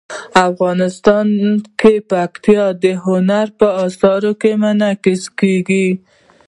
افغانستان کې پکتیا د هنر په اثار کې منعکس کېږي.